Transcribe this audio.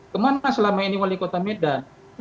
kemana selama ini wali kota medan